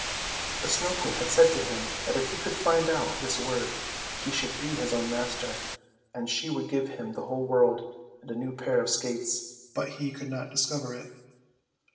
The Snow Queen had said to him that if he could find out this word he should be his own master, and she would give him the whole world and a new pair of skates. But he could not discover it.